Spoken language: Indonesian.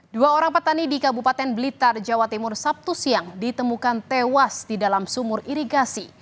dua orang petani di kabupaten blitar jawa timur sabtu siang ditemukan tewas di dalam sumur irigasi